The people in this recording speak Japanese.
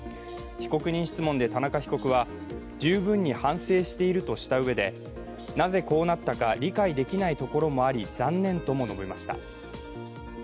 被告人質問で田中被告は、十分に反省しているとしたうえで、なぜこうなったか理解できないところもあり残念とも述べました。